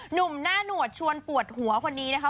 หนุ่มหน้าหนวดชวนปวดหัวคนนี้นะคะ